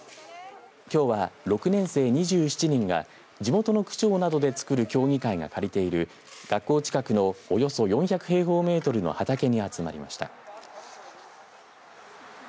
きょうは６年生２７人が地元の区長などでつくる協議会が借りている学校近くの、およそ４００平方メートルの畑に集まりました。